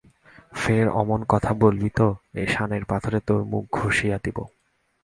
ফের অমন কথা বলিবি ত, এই সানের পাথরে তাের মুখ ঘষিয়া দিব!